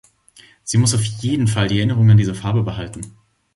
Sie muss auf jeden Fall die Erinnerung an diese Farbe behalten.